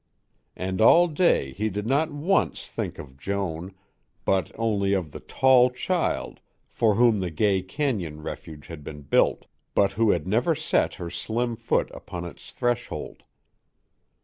And all day he did not once think of Joan, but only of the "tall child" for whom the gay cañon refuge had been built, but who had never set her slim foot upon its threshold.